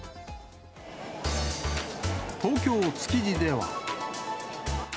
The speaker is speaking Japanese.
東京・築地では。